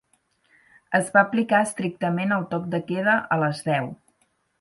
Es va aplicar estrictament el toc de queda a les deu.